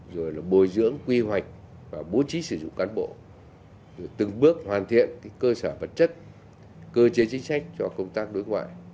rồi là bồi dưỡng quy hoạch và bố trí sử dụng cán bộ rồi từng bước hoàn thiện cơ sở vật chất cơ chế chính sách cho công tác đối ngoại